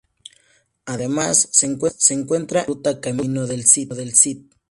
Además se encuentra en la ruta Camino del Cid.